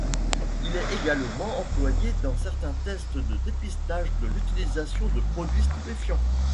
Il est également employé dans certains tests de dépistage de l'utilisation de produits stupéfiants.